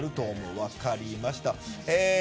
分かりました。